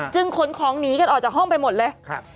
ขนของหนีกันออกจากห้องไปหมดเลย